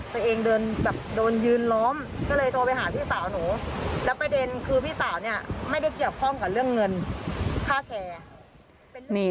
คุณพ่อคุณว่าไง